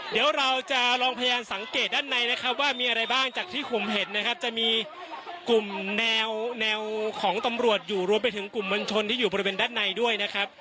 เดี๋ยวเราจะลองพยานสังเกตด้านในนะครับว่ามีอะไรบ้างจากที่ผมเห็นนะครับจะมีกลุ่มแนวแนวของตำรวจอยู่รวมไปถึงกลุ่มมวลชนที่อยู่บริเวณด้านในด้วยนะครับ